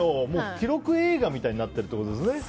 記録映画みたいになってるってことですね。